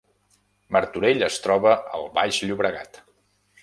Martorell es troba al Baix Llobregat